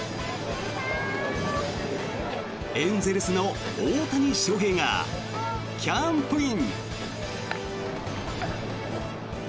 エンゼルスの大谷翔平がキャンプイン。